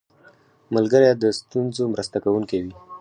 ملګری د ستونزو مرسته کوونکی وي